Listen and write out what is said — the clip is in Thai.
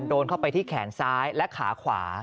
โดนเข้าไปที่แขนซ้ายและขาขวา